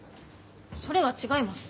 それは違います。